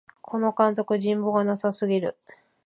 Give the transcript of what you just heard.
この監督、人望がなさすぎる